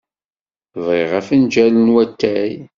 Bɣiɣ afenjal n watay.